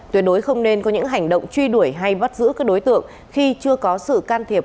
tuyệt đối không nên có những hành động truy đuổi hay bắt giữ các đối tượng khi chưa có sự can thiệp